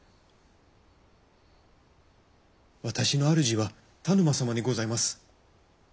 私の主は田沼様にございます。